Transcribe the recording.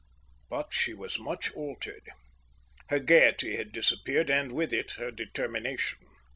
But she was much altered. Her gaiety had disappeared and with it her determination.